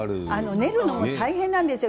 練るのが大変なんです